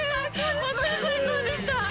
本当に最高でした。